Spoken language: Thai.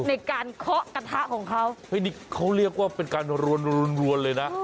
เคาะกระทะของเขาเฮ้ยนี่เขาเรียกว่าเป็นการรวนเลยนะ